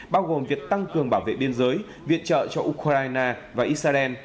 bao gồm việc tăng cường bảo vệ biên giới viện trợ cho ukraine và israel